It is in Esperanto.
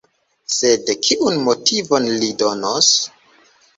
Sed kiun motivon li donos?